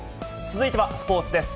続いてはスポーツです。